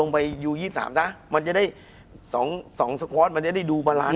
คุณผู้ชมบางท่าอาจจะไม่เข้าใจที่พิเตียร์สาร